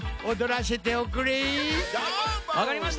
わかりました！